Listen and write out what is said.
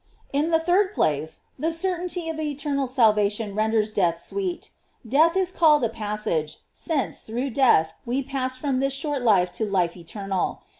In the third place, the certainty of eternal sal vation renders death sweet. Death is called a passage, since, through death we pass from this short life to life eternal.